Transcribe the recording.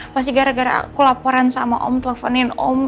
pasti gara gara aku laporan sama om telponin om